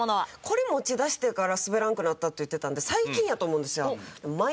これ持ちだしてからスベらんくなったって言ってたんで最近やと思うんですよ。